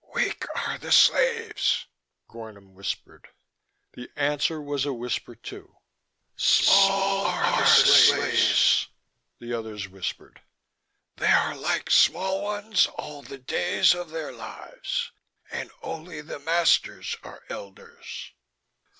"Weak are the slaves," Gornom whispered. The answer was a whisper, too. "Small are the slaves." The others whispered. "They are like small ones all the days of their lives, and only the masters are elders."